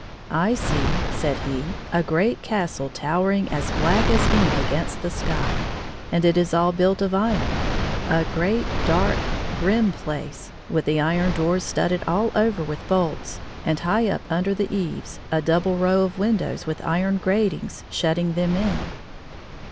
"I see," said he, "a great castle towering as black as ink against the sky, and it is all built of iron — a great dark, grim place, with the iron doors studded all over with bolts, and high up under the eaves a double row of windows with iron gratings shutting them in."